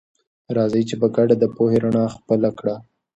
راځئ چې په ګډه د پوهې رڼا خپله کړه.